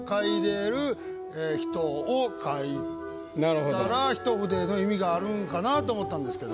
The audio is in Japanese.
描いたら一筆の意味があるんかなと思ったんですけど。